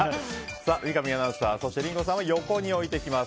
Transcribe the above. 三上アナウンサーリンゴさんは横に置いていきます。